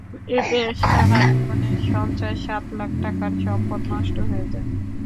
এতে সারা জীবনের সঞ্চয় সাত লাখ টাকার সম্পদ নষ্ট হয়ে যায়।